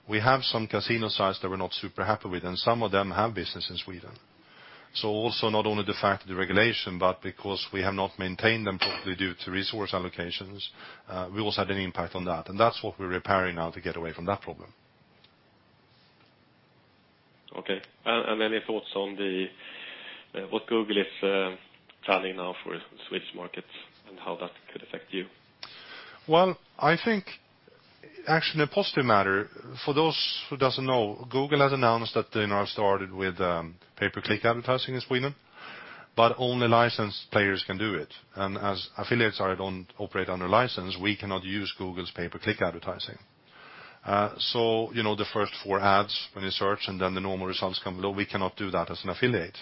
we have some casino sites that we're not super happy with, and some of them have business in Sweden. Also, not only the fact of the regulation, but because we have not maintained them properly due to resource allocations, we also had an impact on that. That's what we're repairing now to get away from that problem. Okay. Any thoughts on what Google is planning now for Swedish markets and how that could affect you? Well, I think actually a positive matter. For those who doesn't know, Google has announced that they now have started with Pay-per-click advertising in Sweden, only licensed players can do it. As affiliates don't operate under license, we cannot use Google's Pay-per-click advertising. The first four ads when you search and then the normal results come below, we cannot do that as an affiliate.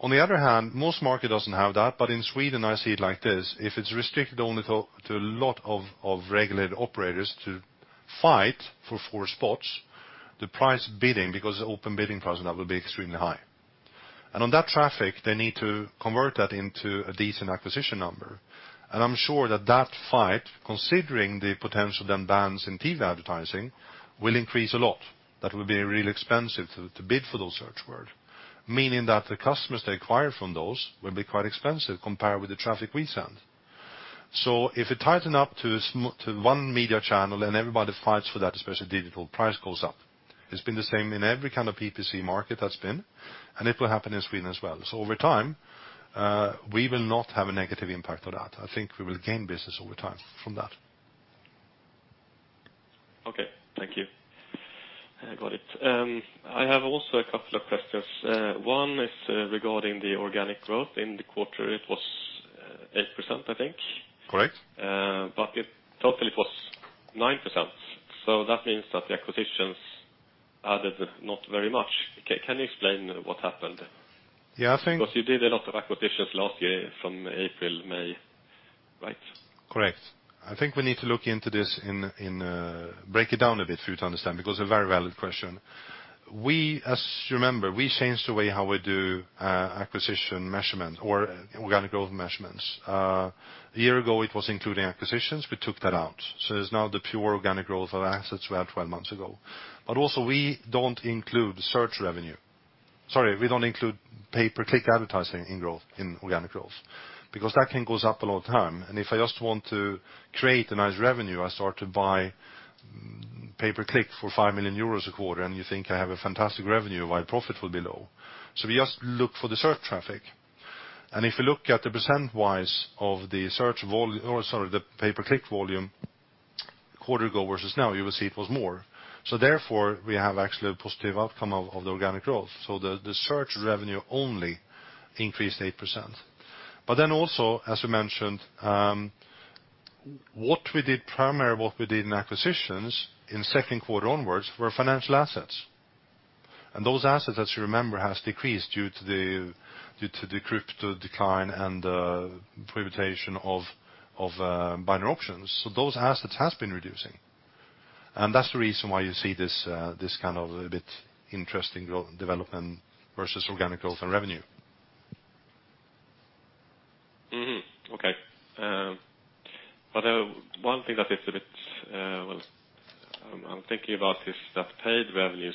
On the other hand, most market doesn't have that. In Sweden, I see it like this. If it's restricted only to a lot of regulated operators to fight for four spots, the price bidding, because open bidding price now will be extremely high. On that traffic, they need to convert that into a decent acquisition number. I'm sure that that fight, considering the potential then bans in TV advertising, will increase a lot. That will be really expensive to bid for those search word, meaning that the customers they acquire from those will be quite expensive compared with the traffic we send. If it tightens up to one media channel and everybody fights for that, especially digital, price goes up. It's been the same in every kind of PPC market that's been, and it will happen in Sweden as well. Over time, we will not have a negative impact on that. I think we will gain business over time from that. Okay. Thank you. I got it. I have also a couple of questions. One is regarding the organic growth in the quarter. It was 8%, I think. Correct. It totally was 9%, that means that the acquisitions added not very much. Can you explain what happened? Yeah, I think- You did a lot of acquisitions last year from April, May, right? Correct. I think we need to look into this and break it down a bit for you to understand, because a very valid question. As you remember, we changed the way how we do acquisition measurement or organic growth measurements. A year ago, it was including acquisitions, we took that out. It's now the pure organic growth of assets we had 12 months ago. We don't include search revenue. Sorry, we don't include Pay-per-click advertising in organic growth, because that can goes up a lot of time. If I just want to create a nice revenue, I start to buy Pay-per-click for 5 million euros a quarter, and you think I have a fantastic revenue, my profit will be low. We just look for the search traffic. If you look at the percent-wise of the Pay-per-click volume quarter go versus now, you will see it was more. Therefore, we have actually a positive outcome of the organic growth. The search revenue only increased 8%. As you mentioned, what we did primarily in acquisitions in second quarter onwards were financial assets. Those assets, as you remember, has decreased due to the crypto decline and the prohibition of binary options. Those assets has been reducing, and that's the reason why you see this kind of a bit interesting development versus organic growth and revenue. Okay. One thing that I'm thinking about is that paid revenues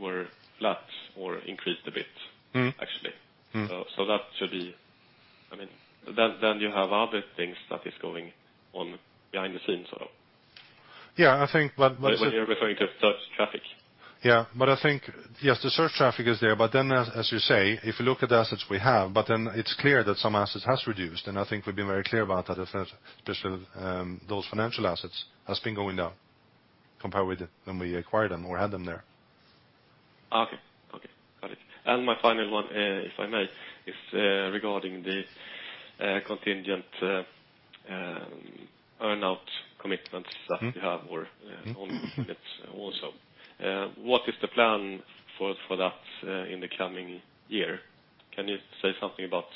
were flat or increased a bit, actually. You have other things that is going on behind the scenes. Yeah, I think. When you're referring to search traffic. Yeah. I think, yes, the search traffic is there. As you say, if you look at the assets we have, but then it's clear that some assets has reduced. I think we've been very clear about that, especially those financial assets has been going down compared with when we acquired them or had them there. Okay. Got it. My final one, if I may, is regarding the contingent earn-out commitments that you have or on it also. What is the plan for that in the coming year? Can you say something about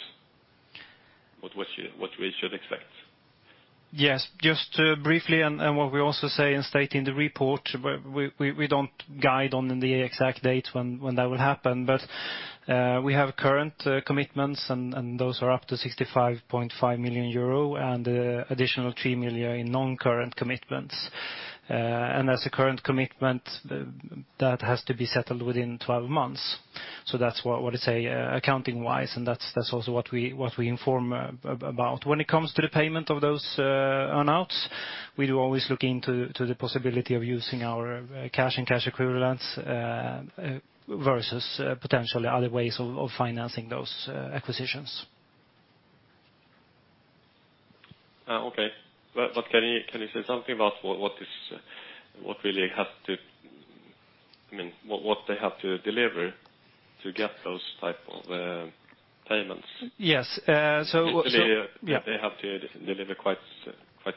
what we should expect? Yes, just briefly what we also say and state in the report, we don't guide on the exact date when that will happen. We have current commitments, and those are up to 65.5 million euro and additional 3 million in non-current commitments. As a current commitment, that has to be settled within 12 months. That's what I say accounting-wise, and that's also what we inform about. When it comes to the payment of those earn-outs, we do always look into the possibility of using our cash and cash equivalents versus potentially other ways of financing those acquisitions. Okay. Can you say something about what they have to deliver to get those type of payments? Yes. They have to deliver quite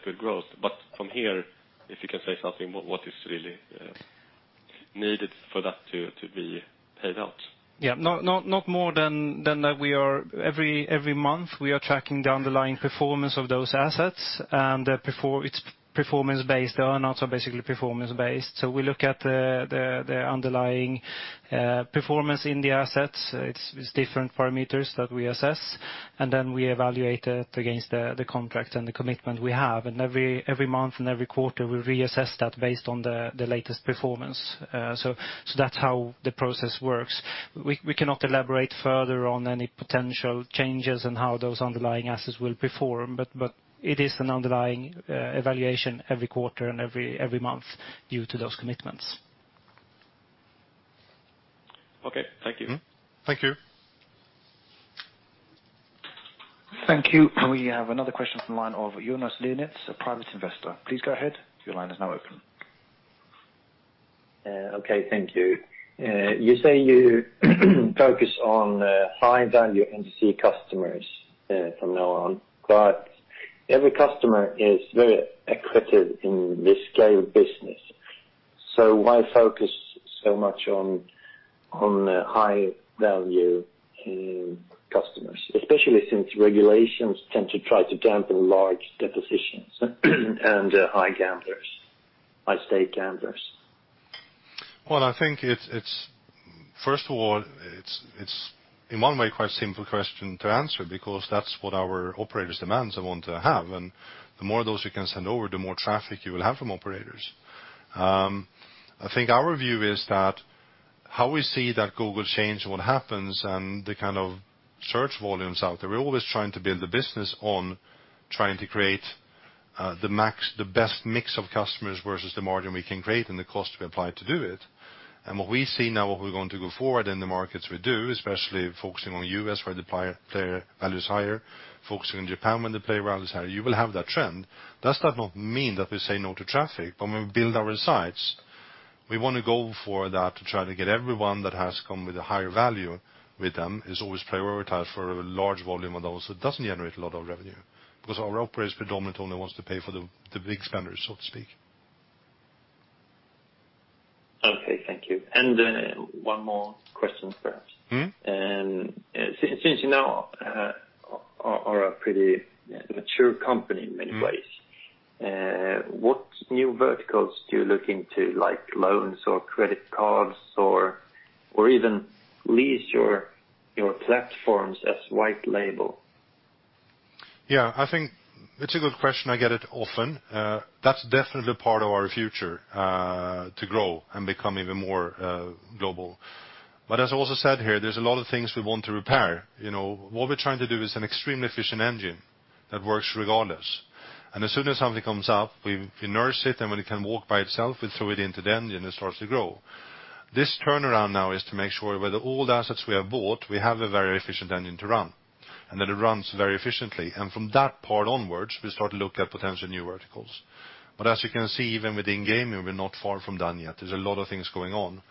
good growth. From here, if you can say something, what is really needed for that to be paid out? Yeah. Not more than every month, we are tracking the underlying performance of those assets, and it's performance-based. The earn-outs are basically performance-based. We look at the underlying performance in the assets. It's different parameters that we assess, then we evaluate it against the contract and the commitment we have. Every month and every quarter, we reassess that based on the latest performance. That's how the process works. We cannot elaborate further on any potential changes and how those underlying assets will perform, it is an underlying evaluation every quarter and every month due to those commitments. Okay. Thank you. Thank you. Thank you. We have another question from line of Jonas Lionis, a private investor. Please go ahead. Your line is now open. Okay. Thank you. You say you focus on high-value entity customers from now on. Every customer is very accretive in this scale of business. Why focus so much on high-value customers? Especially since regulations tend to try to dampen large deposits and high-stake gamblers. Well, I think, first of all, it's in one way quite a simple question to answer because that's what our operators demands and want to have, and the more of those you can send over, the more traffic you will have from operators. I think our view is that-How we see that Google change what happens and the kind of search volumes out there, we're always trying to build the business on trying to create the best mix of customers versus the margin we can create and the cost we apply to do it. What we see now, what we're going to go forward in the markets we do, especially focusing on U.S. where the player value is higher, focusing on Japan when the play value is higher, you will have that trend. Does that not mean that we say no to traffic? When we build our sites, we want to go for that to try to get everyone that has come with a higher value with them is always prioritized for a large volume of those that doesn't generate a lot of revenue. Our operator is predominantly only wants to pay for the big spenders, so to speak. Okay, thank you. One more question perhaps. Since you now are a pretty mature company in many ways, what new verticals do you look into like loans or credit cards or even lease your platforms as white label? Yeah, I think it's a good question. I get it often. That's definitely part of our future, to grow and become even more global. As I also said here, there's a lot of things we want to repair. What we're trying to do is an extremely efficient engine that works regardless. As soon as something comes up, we nurse it, and when it can walk by itself, we throw it into the engine, it starts to grow. This turnaround now is to make sure whether all the assets we have bought, we have a very efficient engine to run, and that it runs very efficiently. From that part onwards, we start to look at potential new verticals. As you can see, even within gaming, we're not far from done yet. There's a lot of things going on.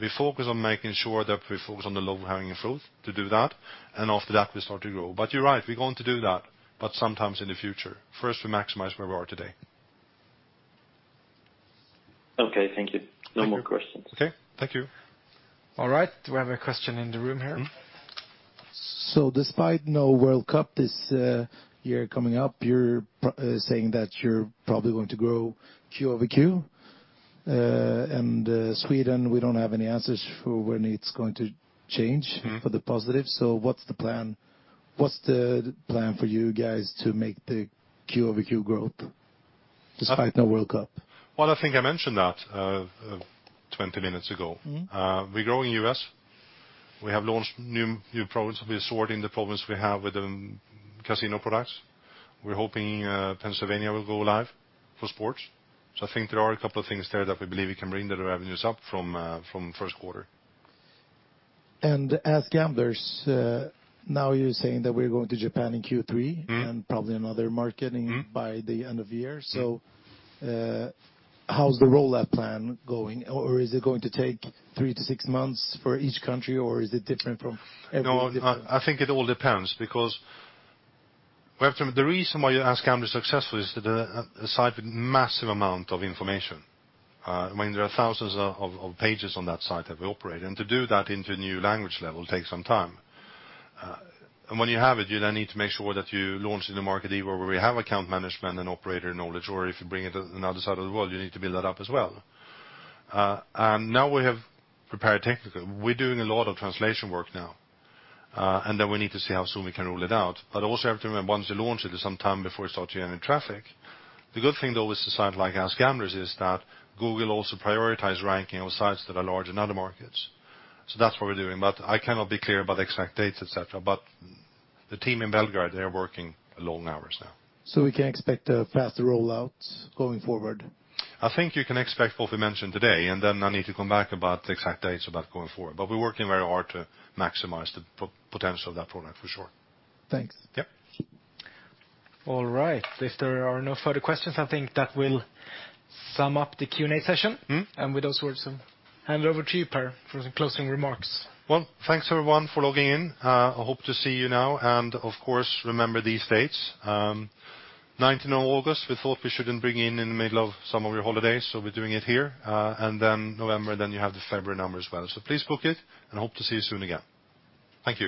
We focus on making sure that we focus on the low-hanging fruit to do that, and after that, we start to grow. You're right, we're going to do that, but sometimes in the future. First, we maximize where we are today. Okay, thank you. Thank you. No more questions. Okay, thank you. All right, do we have a question in the room here? Despite no World Cup this year coming up, you're saying that you're probably going to grow Q over Q. Sweden, we don't have any answers for when it's going to change for the positive. What's the plan for you guys to make the Q over Q growth despite no World Cup? Well, I think I mentioned that 20 minutes ago. We grow in U.S. We have launched new products. We're sorting the problems we have with the casino products. We're hoping Pennsylvania will go live for sports. I think there are a couple of things there that we believe we can bring the revenues up from first quarter. AskGamblers, now you're saying that we're going to Japan in Q3. Probably another market by the end of the year. How's the rollout plan going? Is it going to take three to six months for each country, or is it different from every different? No, I think it all depends because the reason why AskGamblers is successful is that the site with massive amount of information. There are thousands of pages on that site that we operate, to do that into a new language level takes some time. When you have it, you then need to make sure that you launch in the market either where we have account management and operator knowledge, or if you bring it to another side of the world, you need to build that up as well. Now we have prepared technical. We're doing a lot of translation work now, then we need to see how soon we can roll it out. Also have to remember, once you launch it, there's some time before it starts generating traffic. The good thing, though, with a site like AskGamblers is that Google also prioritize ranking of sites that are large in other markets. That's what we're doing. I cannot be clear about the exact dates, et cetera. The team in Belgrade, they are working long hours now. We can expect a faster rollout going forward? I think you can expect what we mentioned today, then I need to come back about the exact dates about going forward. We're working very hard to maximize the potential of that product, for sure. Thanks. Yep. All right. If there are no further questions, I think that will sum up the Q&A session. With those words, hand over to you, Per, for some closing remarks. Well, thanks, everyone, for logging in. I hope to see you now. Of course, remember these dates. 19 of August, we thought we shouldn't bring in in the middle of some of your holidays, so we're doing it here. November, then you have the February number as well. Please book it, and hope to see you soon again. Thank you.